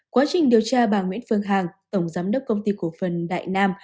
quá trình điều tra bà nguyễn phương hằng tổng giám đốc công ty cổ phần đại nam